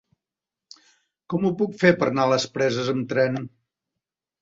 Com ho puc fer per anar a les Preses amb tren?